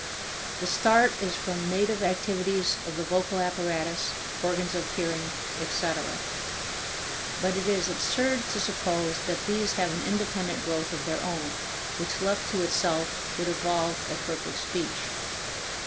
The start is from native activities of the vocal apparatus, organs of hearing, etc. But it is absurd to suppose that these have an independent growth of their own, which left to itself would evolve a perfect speech.